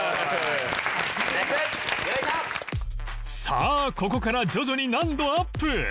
さあここから徐々に難度アップ